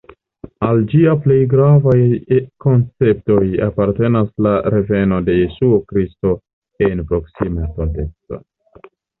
Al ĝia plej gravaj konceptoj apartenas la reveno de Jesuo Kristo en proksima estonteco.